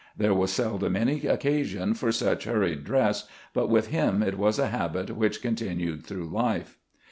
There was seldom any occasion for such hur ried dressing, but with him it was a habit which con tinued through life.